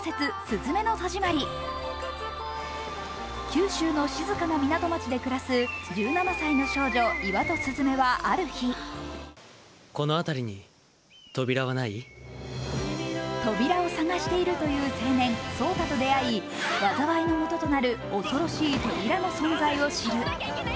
九州の静かな港町で暮らす１７歳の少女、岩戸鈴芽はある日扉を探しているという青年、草太と出会い災いの元となる恐ろしい扉の存在を知る。